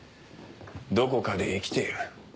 どこかで生きている。